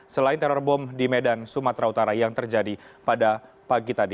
selain teror bom di medan sumatera utara yang terjadi pada pagi tadi